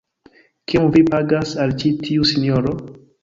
Kiom vi pagas al ĉi tiu sinjoro?